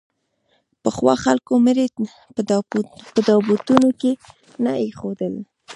پخوا خلکو مړي په تابوتونو کې نه اېښودل.